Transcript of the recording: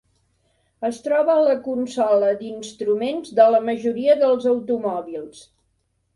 Es troba a la consola d'instruments de la majoria dels automòbils.